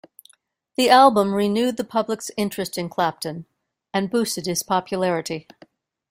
The album renewed the public's interest in Clapton, and boosted his popularity.